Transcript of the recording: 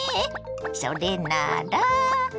それなら。